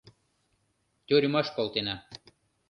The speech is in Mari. — Тюрьмаш колтена